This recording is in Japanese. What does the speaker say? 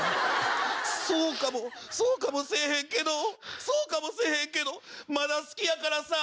そうかもそうかもせえへんけどそうかもせえへんけどまだ好きやからさ。